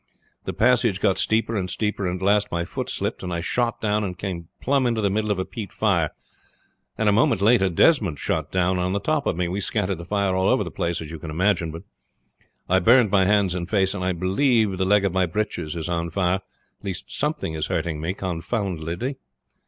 "The passage got steeper and steeper, and at last my foot slipped, and I shot down and came plump into the middle of a peat fire; and a moment later Desmond shot down on to the top of me. We scattered the fire all over the place, as you can imagine; but I burned my hands and face, and I believe the leg of my breeches is on fire something is hurting me confoundedly."